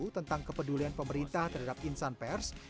tentang kepedulian pemerintah terhadap insan pers